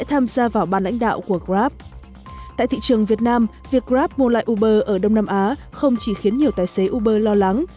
tại thị trường việt nam việc grab mua lại uber ở đông nam á không chỉ khiến nhiều tài xế uber lo lắng